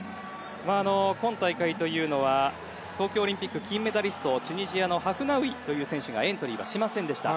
今大会というのは東京オリンピック金メダリストのチュニジアの選手がエントリーしませんでした。